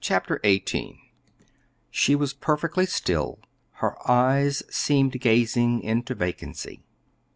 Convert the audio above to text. Chapter XVIII She was perfectly still. Her eyes seemed gazing into vacancy.